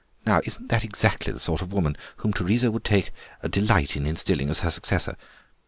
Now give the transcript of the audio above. Now isn't that exactly the sort of woman whom Teresa would take a delight in installing as her successor?